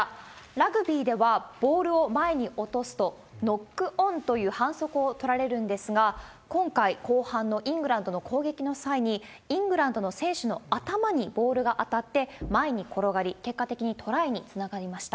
ラグビーではボールを前に落とすと、ノックオンという反則を取られるんですが、今回、後半のイングランドの攻撃の際に、イングランドの選手の頭にボールが当たって前に転がり、結果的にトライにつながりました。